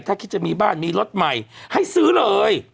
ถ้าคิดจะมีบ้านมีรถใหม่ให้ซื้อเลย